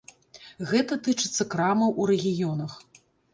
Гэта тычыцца крамаў у рэгіёнах.